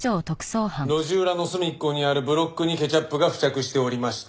路地裏の隅っこにあるブロックにケチャップが付着しておりました。